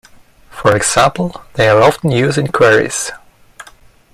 For example, they are often used in quarries.